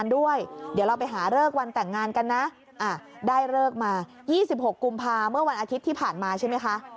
ได้เลิกมา๒๖กุมภาคมเมื่อวันอาทิตย์ที่ผ่านมาใช่ไหมคะ